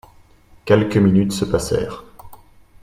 Quelques minutes se passèrent.